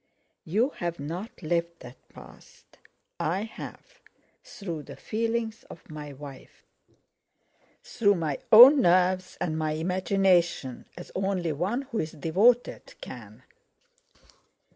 "You haven't lived that past. I have—through the feelings of my wife; through my own nerves and my imagination, as only one who is devoted can."